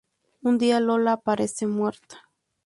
Un día Lola aparece muerta.